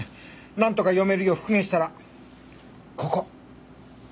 なんとか読めるよう復元したらここ！